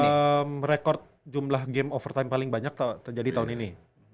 jadi rekod jumlah game overtime paling banyak terjadi tahun ini